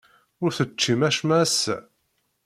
Ur teččim acemma ass-a?